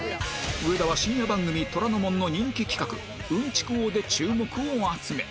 上田は深夜番組『虎の門』の人気企画「うんちく王」で注目を集め